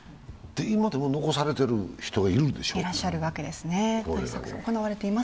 今でも残されている人がいるんですよね。